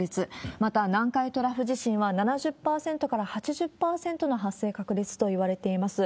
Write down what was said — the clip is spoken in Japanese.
また南海トラフ地震は７０％から８０％の発生確率といわれています。